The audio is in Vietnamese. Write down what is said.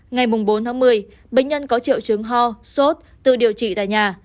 ngày bốn một mươi bệnh nhân có triệu chứng ho suốt tự điều trị tại nhà